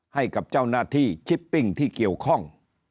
ให้กับเจ้าหน้าที่ชิปปิ้งที่เกี่ยวข้อง